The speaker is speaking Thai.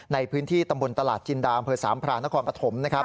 ในพื้นที่ตำบลตลาดจินดามเผอร์สามพรานครปฐม